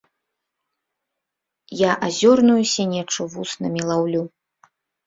Я азёрную сінечу вуснамі лаўлю.